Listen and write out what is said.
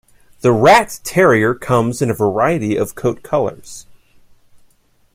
The Rat Terrier comes in a variety of coat colors.